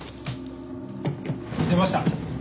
出ました。